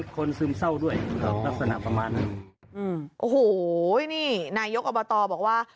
คือเขาได้รับปากแหละเขาจะลงมา